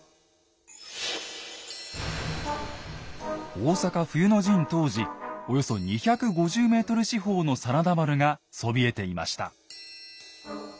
大坂冬の陣当時およそ２５０ｍ四方の真田丸がそびえていました。